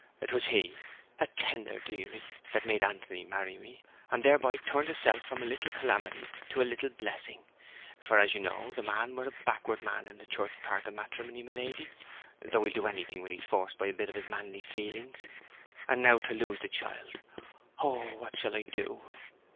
'Twas he, a tender deary, that made Anthony marry me, and thereby turned hisself from a little calamity to a little blessing! For, as you know, the man were a backward man in the church part o' matrimony, my lady; though he'll do anything when he's forced a bit by his manly feelings. And now to lose the child hoo hoo hoo! What shall I doo!'